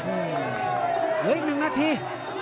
เหลืออีก๑นาที